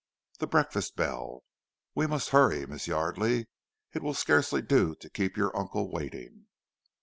"The breakfast bell! We must hurry, Miss Yardely. It will scarcely do to keep your uncle waiting."